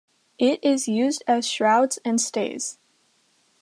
It is used as shrouds and stays.